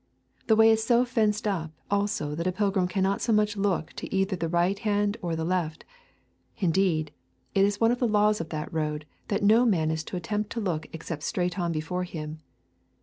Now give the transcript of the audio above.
The way is so fenced up also that a pilgrim cannot so much as look either to the right hand or the left. Indeed, it is one of the laws of that road that no man is to attempt to look except straight on before him.